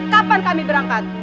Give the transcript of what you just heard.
kapan kami berangkat